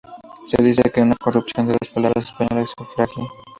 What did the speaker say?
Se dice que es una corrupción de la palabra española saxifraga.